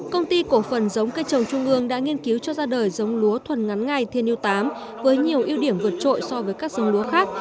công ty cổ phần giống cây trồng trung ương đã nghiên cứu cho ra đời dông lúa thuần ngắn ngay thiên yêu tám với nhiều ưu điểm vượt trội so với các dông lúa khác